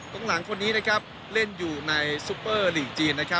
หลังคนนี้เล่นอยู่ในซุปเปอร์ลีกจีน